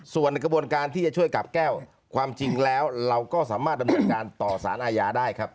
ส่วนในกระบวนการที่จะช่วยกับแก้วความจริงแล้วเราก็สามารถดำเนินการต่อสารอาญาได้ครับ